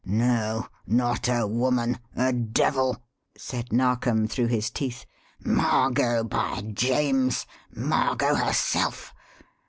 "No, not a woman a devil!" said Narkom through his teeth. "Margot, by James! Margot, herself!